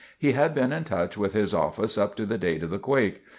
He had been in touch with his office up to the date of the quake.